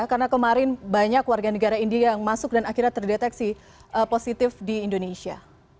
karena kemarin banyak warga negara india yang masuk dan akhirnya terdeteksi positif di indonesia